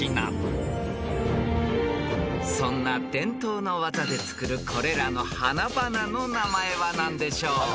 ［そんな伝統の技で作るこれらの花々の名前は何でしょう？］